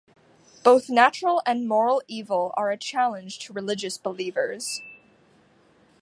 Both natural and moral evil are a challenge to religious believers.